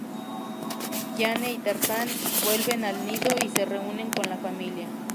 Jane y Tarzán vuelven al nido y se reúnen con la familia.